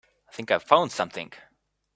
I think I found something.